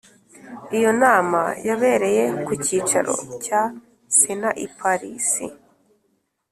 iyo nama yabereye ku cyicaro cya sénat i paris.